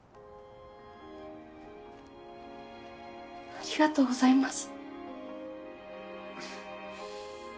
ありがとうございます！